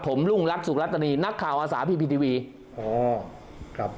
ผมรุ่งลักษณ์สุขลักษณีย์นักข่าวอาสาพีพีทีวีอ๋อครับ